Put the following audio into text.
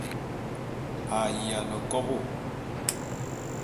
A yiane kobô.